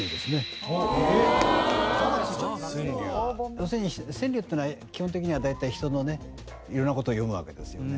要するに川柳っていうのは基本的には大体人のねいろんな事を詠むわけですよね。